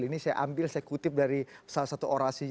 ini saya ambil saya kutip dari salah satu orasi